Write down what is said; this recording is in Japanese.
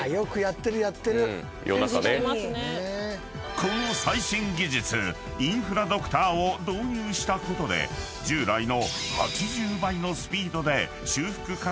［この最新技術インフラドクターを導入したことで従来の］